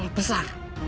bosan lu besar